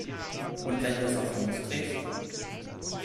Und wenn du es auf links drehst?